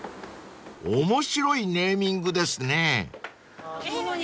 ［面白いネーミングですね］